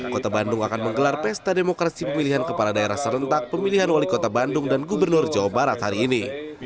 kota bandung akan menggelar pesta demokrasi pemilihan kepala daerah serentak pemilihan wali kota bandung dan gubernur jawa barat hari ini